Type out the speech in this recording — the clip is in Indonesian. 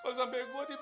be asal lo ketegak be